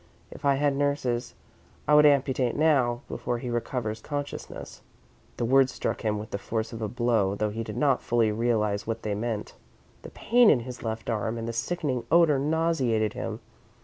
If I had nurses, I would amputate now, before he recovers consciousness." The words struck him with the force of a blow, though he did not fully realise what they meant. The pain in his left arm and the sickening odour nauseated him.